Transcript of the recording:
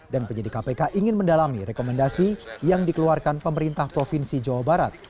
dan penyidik kpk ingin mendalami rekomendasi yang dikeluarkan pemerintah provinsi jawa barat